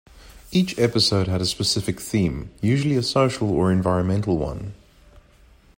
Each episode had a specific theme, usually a social or environmental one.